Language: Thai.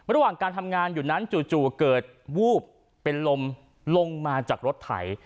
ระหว่างการทำงานอยู่นั้นจู่เกิดวูบเป็นลมลงมาจากรถไถ